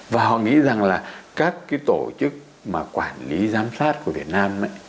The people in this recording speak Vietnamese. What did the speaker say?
và họ nghĩ rằng là các cái tổ chức mà quản lý giám sát của việt nam